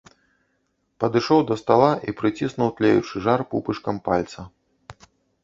Падышоў да стала і прыціснуў тлеючы жар пупышкам пальца.